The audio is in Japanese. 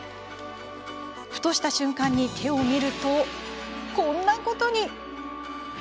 ふとした瞬間に手を見るとこんなことに。